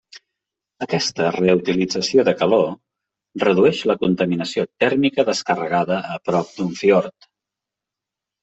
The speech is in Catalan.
Aquesta reutilització de calor redueix la contaminació tèrmica descarregada a prop d'un fiord.